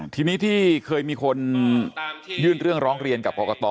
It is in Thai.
ทีนี้ที่เคยมีคนยื่นเรื่องร้องเรียนกับกรกต